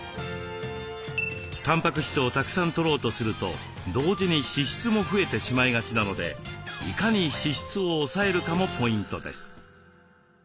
たんぱく質をたくさんとろうとすると同時に脂質も増えてしまいがちなのでいかに脂質を抑えるかもポイントです。